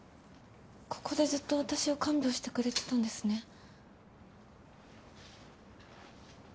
ここでずっと私を看病してくれてたんですね。